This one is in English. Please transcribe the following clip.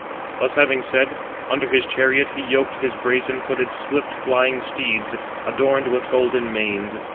Thus having said, under his chariot he yoked his brazen footed, swift flying steeds, adorned with golden manes.